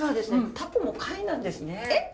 タコも貝なんですね。え？